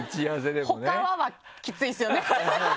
「他は？」はきついですよね。